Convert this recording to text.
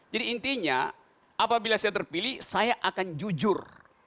jadi intinya apabila saya terpilih saya akan jujur